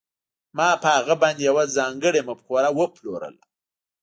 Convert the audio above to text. ما په هغه باندې یوه ځانګړې مفکوره وپلورله